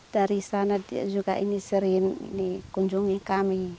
dari sana dia juga sering kunjungi kami